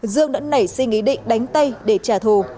dương đã nảy suy nghĩ định đánh tay để trả thù